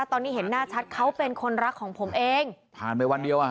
เขามีผักนี้แทบหน้าชัดแล้วเขาเป็นคนลักของผมเองผ่านไปวันเดียวท่ะฮะ